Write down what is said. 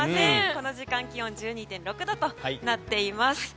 この時間の気温は１２．６度となっています。